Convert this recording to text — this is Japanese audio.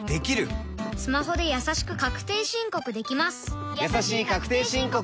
スマホでやさしく確定申告できます